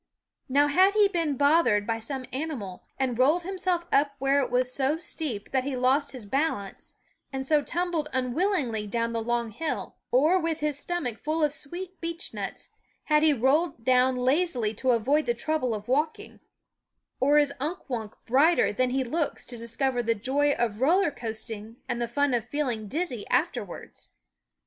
Now had he been bothered by some animal and rolled himself up where it was so steep that he lost his balance, and so tumbled unwillingly down the long hill ; or, with his SCHOOL Of stomach full of sweet beechnuts, had he 242 down lazily to avoid the trouble of or is Unk Wunk brighter than he looks to discover the joy of roller coasting and the fun of feeling dizzy afterwards